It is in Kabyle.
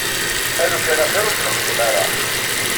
Alukan axiṛ ur tt-nexdim ara.